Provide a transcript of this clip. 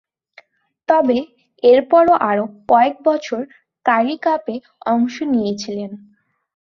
তবে, এরপরও আরও কয়েকবছর কারি কাপে অংশ নিয়েছিলেন।